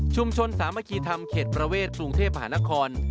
ชุมชนสามัคคีธรรมเขตประเวทภูมิเทพหานคร